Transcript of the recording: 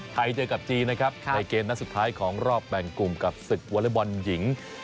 ไทยเจอกับจีนนะครับในเกมนัดสุดท้ายของรอบแบ่งกลุ่มกับศึกวอเล็กบอลหญิง